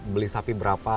beli sapi berapa